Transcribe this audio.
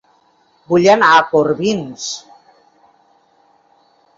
Vull anar a Corbins